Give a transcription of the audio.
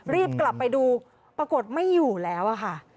รีบกลับไปดูปรากฏไม่อยู่แล้วอะค่ะ